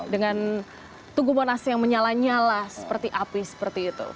dengan tugu monas yang menyala nyala seperti api seperti itu